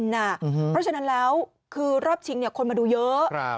เพราะฉะนั้นแล้วคือรอบชิงคนมาดูเยอะ